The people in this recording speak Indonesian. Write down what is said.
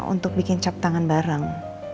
untuk bikin cap tangan bareng